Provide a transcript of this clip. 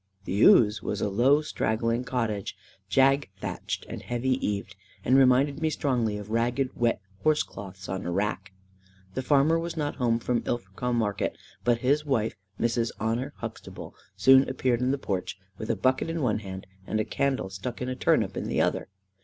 The "ouze" was a low straggling cottage, jag thatched, and heavy eaved, and reminded me strongly of ragged wet horse cloths on a rack. The farmer was not come home from Ilfracombe market, but his wife, Mrs. Honor Huxtable, soon appeared in the porch, with a bucket in one hand and a candle stuck in a turnip in the other.